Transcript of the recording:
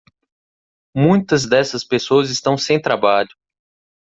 Muitas dessas pessoas estão sem trabalho.